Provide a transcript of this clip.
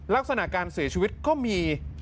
ลักษณะการเสียชีวิตก็มี